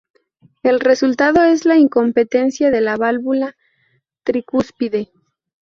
El resultado es la incompetencia de la válvula tricúspide.